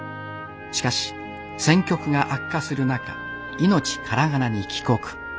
しかし戦局が悪化する中命からがらに帰国。